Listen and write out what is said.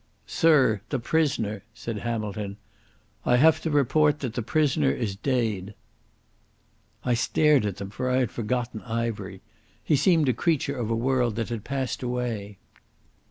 "Sirr, the prisoner," said Hamilton. "I have to report that the prisoner is deid." I stared at them, for I had forgotten Ivery. He seemed a creature of a world that had passed away.